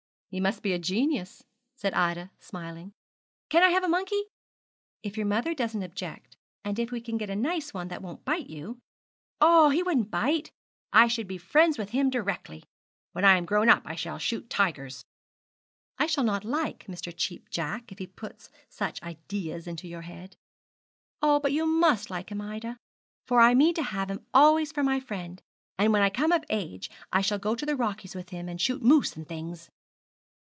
'He must be a genius,' said Ida, smiling. 'Can I have a monkey?' 'If your mother doesn't object, and if we can get a nice one that won't bite you.' 'Oh, he wouldn't bite me; I should be friends with him directly. When I am grown up I shall shoot tigers.' 'I shall not like Mr. Cheap Jack if he puts such ideas into your head.' 'Oh, but you must like him, Ida, for I mean to have him always for my friend; and when I come of age I shall go to the Rockies with him, and shoot moose and things.'